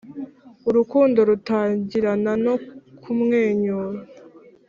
urukundo rutangirana no kumwenyura,